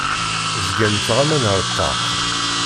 Zgan ttɣaman ar ṭṭaq.